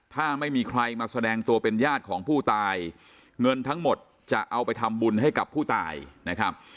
ถ้าไม่มีใครมาแสดงตัวเป็นญาติของผู้ตายเงินทั้งหมดจะเอาไปทำบุญให้กับผู้ตายนะครับ